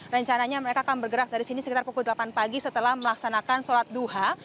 rencananya mereka akan bergerak dari sini sekitar pukul delapan pagi setelah melaksanakan sholat duha